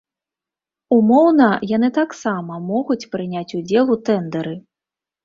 Умоўна, яны таксама могуць прыняць удзел у тэндэры.